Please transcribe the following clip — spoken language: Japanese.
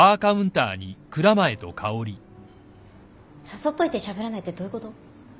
誘っといてしゃべらないってどういうこと？